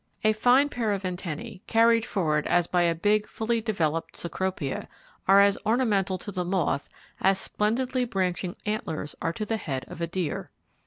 A fine pair of antennae, carried forward as by a big, fully developed Cecropia, are as ornamental to the moth as splendidly branching antlers are to the head of a deer.